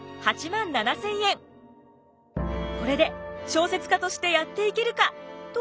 これで小説家としてやっていけるかと思いきや